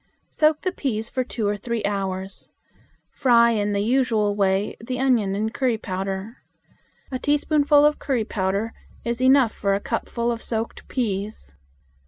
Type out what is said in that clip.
Soak the peas for two or three hours. Fry in the usual way the onion and curry powder. A teaspoonful of curry powder is enough for a cupful of soaked peas.